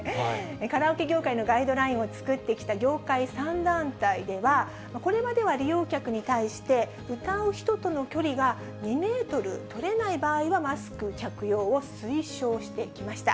カラオケ業界のガイドラインを作ってきた業界３団体では、これまでは利用客に対して、歌う人との距離が２メートル取れない場合は、マスク着用を推奨してきました。